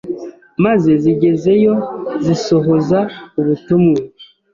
maze zigezeyo zisohoza ubutumwa.